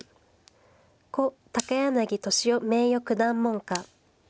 故高柳敏夫名誉九段門下。